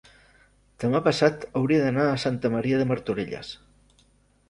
demà passat hauria d'anar a Santa Maria de Martorelles.